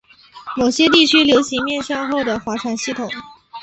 某些地区流行面向后的划船系统。